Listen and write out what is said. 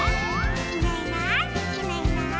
「いないいないいないいない」